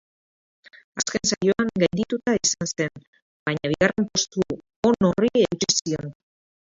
Azken saioan gaindidtua izan zen, baina bigarren postu on horri eutsi zion.